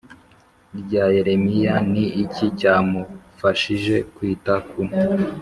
rwa Yeremiya Ni iki cyamufashije kwita ku